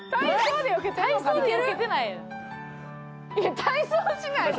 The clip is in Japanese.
体操しないと。